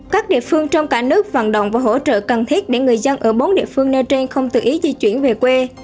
các địa phương trong cả nước vận động và hỗ trợ cần thiết để người dân ở bốn địa phương nơi trên không tự ý di chuyển về quê